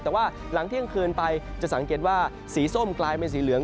แต่ว่าหลังเที่ยงคืนไปจะสังเกตว่าสีส้มกลายเป็นสีเหลือง